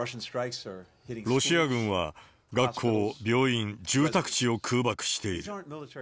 ロシア軍は、学校、病院、住宅地を空爆している。